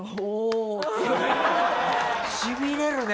しびれるね！